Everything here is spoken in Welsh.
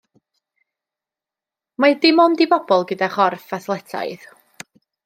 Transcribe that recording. Mae dim ond i bobl gyda chorff athletaidd.